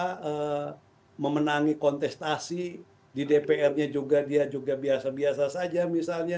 karena memenangi kontestasi di dpr nya juga dia juga biasa biasa saja misalnya